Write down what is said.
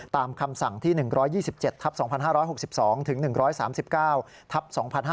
คำสั่งที่๑๒๗ทับ๒๕๖๒ถึง๑๓๙ทับ๒๕๕๙